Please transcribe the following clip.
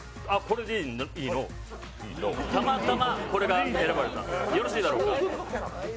たまたまこれが選ばれた、よろしいだろうか。